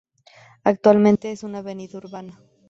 Actualmente es una avenida urbana.